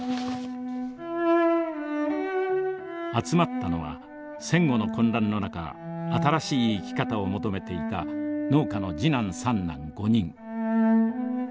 集まったのは戦後の混乱の中新しい生き方を求めていた農家の次男三男５人。